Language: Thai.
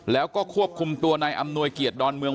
แล้วก็ควบคุมตัวนายอำนวยเกียรติดอนเมือง